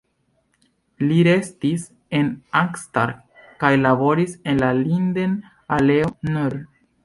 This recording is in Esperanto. Li restis en Arnstadt kaj laboris en la Linden-aleo nr.